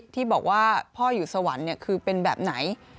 ที่บอกว่าพ่ออยู่สวรรค์คือเป็นแบบไหน